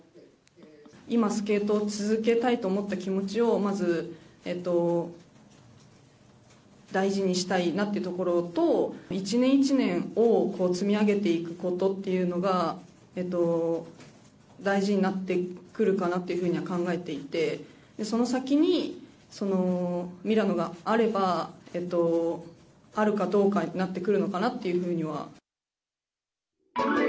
今、スケートを続けたいと思った気持ちを、まず大事にしたいなっていうところと、一年一年を積み上げていくことというのが、大事になってくるかなというふうには考えていて、その先にミラノがあれば、あるかどうかになってくるのかなっていうふうには。